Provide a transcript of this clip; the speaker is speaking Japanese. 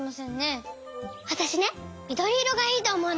わたしねみどりいろがいいとおもうの。